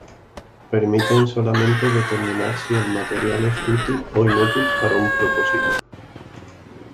Permiten solamente determinar si el material es útil o inútil para un propósito.